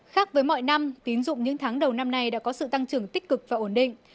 khác với mọi năm tín dụng những tháng đầu năm nay đã có sự tăng trưởng tích cực và ổn định